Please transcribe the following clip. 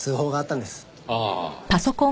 ああ。